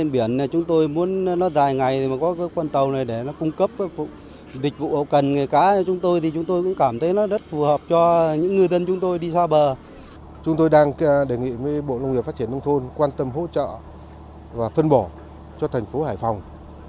bộ nông nghiệp phát triển nông thôn quan tâm hỗ trợ và phân bỏ cho thành phố hải phòng